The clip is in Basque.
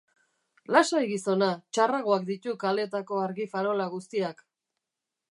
Lasai, gizona, txarragoak dituk kaleetako argi farola guztiak!